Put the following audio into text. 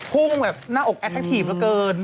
กุ้งแบบหน้าอกแอดแท็กทีฟเหลือเกิน